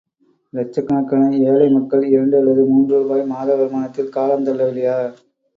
இலட்சக்கணக்கான ஏழை மக்கள் இரண்டு அல்லது மூன்று ரூபாய் மாத வருமானத்தில் காலம் தள்ளவில்லையா?